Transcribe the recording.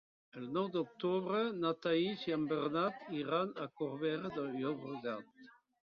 El nou d'octubre na Thaís i en Bernat iran a Corbera de Llobregat.